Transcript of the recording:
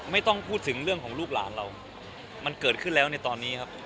ไม่ต้องพูดถึงเรื่องของลูกหลานเรามันเกิดขึ้นแล้วในตอนนี้ครับ